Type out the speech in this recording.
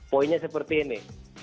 poinnya seperti ini